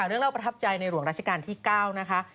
เรื่องเล่าประทับใจในหลวงราชการที่๙นะคะ